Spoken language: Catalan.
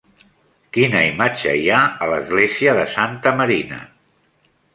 Quina imatge hi ha a l'església de Santa Marina?